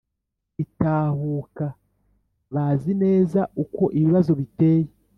itahuka bazi neza uko ibibazo biteye.